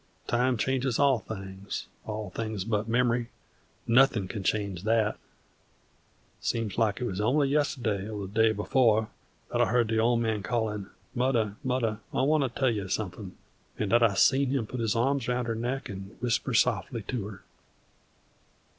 Time changes all things, all things but memory, nothin' can change that. Seems like it was only yesterday or the day before that I heern the Old Man callin', "Mudder, mudder, I wanter tell you sumfin'," and that I seen him put his arms around her neck 'nd whisper softly to her.